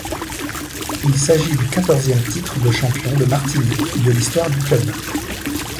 Il s’agit du quatorzième titre de champion de Martinique de l'histoire du club.